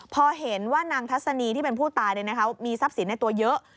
พอเห็นว่านางทัศนีที่เป็นผู้ตายมีทรัพย์สินในตัวเยอะ